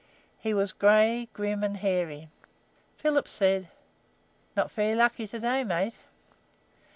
He was gray, grim, and hairy. Philip said: "Not very lucky to day, mate?"